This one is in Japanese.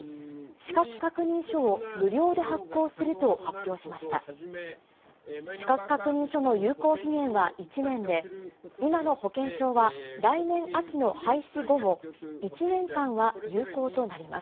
資格確認書の有効期限は１年で、今の保険証は、来年秋の廃止後も１年間は有効となります。